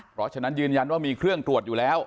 เพราะฉะนั้นยืนยันว่ามีเครื่องตรวจอยู่แล้ว